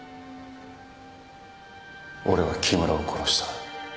俺は木村を殺した。